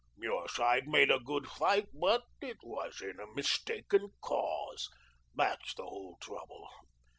Your side made a good fight, but it was in a mistaken cause. That's the whole trouble.